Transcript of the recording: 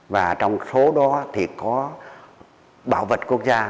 và trong số đó thì có bảo vật quốc gia